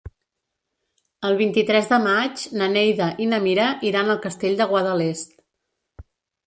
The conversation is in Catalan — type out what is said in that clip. El vint-i-tres de maig na Neida i na Mira iran al Castell de Guadalest.